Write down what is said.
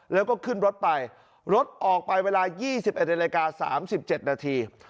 แล้วก็ขึ้นรถไปรถออกไปเวลา๒๑นาฬิกา๓๗นาที